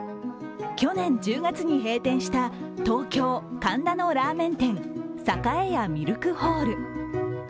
去年１０月に閉店した東京・神田のラーメン店栄屋ミルクホール。